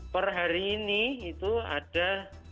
per hari ini itu ada